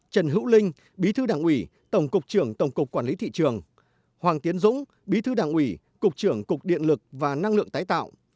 trần hữu linh bí thư đảng ủy tổng cục trưởng tổng cục quản lý thị trường hoàng tiến dũng bí thư đảng ủy cục trưởng cục điện lực và năng lượng tái tạo